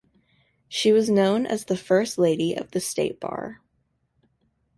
She was known as the "first lady" of the State Bar.